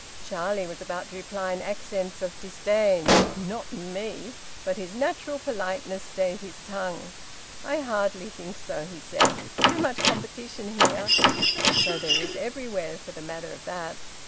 Charlie was about to reply in accents of disdain: "Not me!" But his natural politeness stayed his tongue. "I hardly think so," he said. "Too much competition here. So there is everywhere, for the matter of that."